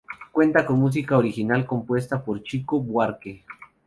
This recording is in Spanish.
Cuenta con música original compuesta por Chico Buarque.